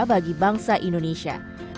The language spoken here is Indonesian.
bagi bangsa indonesia